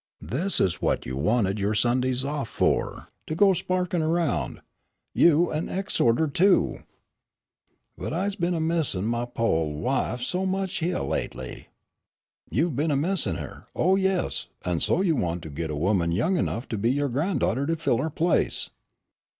"This is what you wanted your Sundays off for, to go sparking around you an exhorter, too." "But I's been missin' my po' ol' wife so much hyeah lately." "You've been missing her, oh, yes, and so you want to get a woman young enough to be your granddaughter to fill her place."